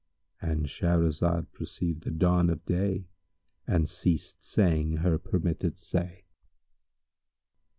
"——And Shahrazad perceived the dawn of day and ceased saying her permitted say.